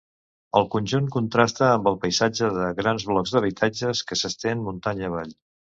El conjunt contrasta amb el paisatge de grans blocs d'habitatges que s'estén muntanya avall.